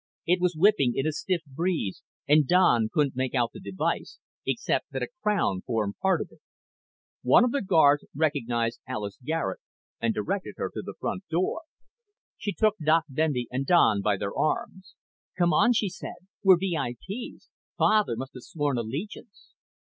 It was whipping in a stiff breeze and Don couldn't make out the device, except that a crown formed part of it. One of the guards recognized Alis Garet and directed her to the front door. She took Doc Bendy and Don by their arms. "Come on," she said. "We're VIP's. Father must have sworn allegiance."